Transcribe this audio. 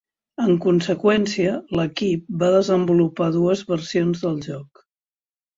En conseqüència, l'equip va desenvolupar dues versions del joc.